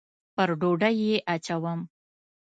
پر ډوډۍ یې اچوم